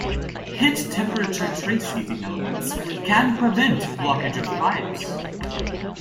Hit-temperature trace heating elements can prevent blockage of pipes.